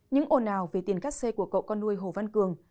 những ồn ào về tiền cắt xe của cậu con nuôi hồ văn cường